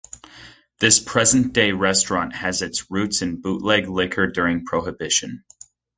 This present day restaurant has its roots in bootleg liquor during Prohibition.